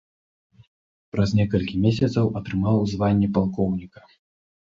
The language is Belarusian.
Праз некалькі месяцаў атрымаў званне палкоўніка.